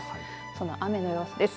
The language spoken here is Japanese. その雨の様子です。